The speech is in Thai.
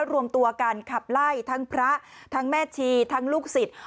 รวมตัวกันขับไล่ทั้งพระทั้งแม่ชีทั้งลูกศิษย์